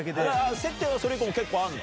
接点はそれ以降も結構あんの？